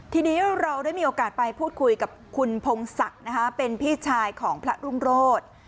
ทีนี้เราได้มีโอกาสไปพูดคุยกับคุณพงศักดิ์เป็นพี่ชายของพระรุ่งโรธ